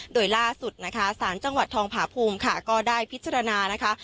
โดยล่าสุดนะคะสารจังหวัดทองผาภูมิค่ะก็ได้พิจารณานะคะ